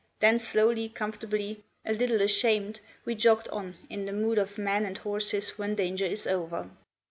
Then slowly, comfortably, a little ashamed, we jogged on, in the mood of men and horses when danger is over.